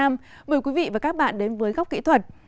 mời quý vị và các bạn đến với góc kỹ thuật